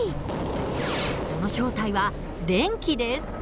その正体は電気です。